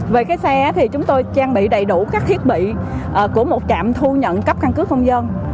về cái xe thì chúng tôi trang bị đầy đủ các thiết bị của một trạm thu nhận cấp căn cước công dân